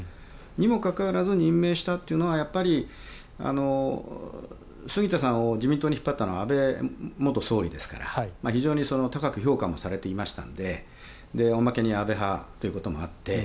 にもかかわらず任命したというのは杉田さんを自民党に引っ張ったのは安倍元総理ですから非常に高く評価もされていましたのでおまけに安倍派ということもあって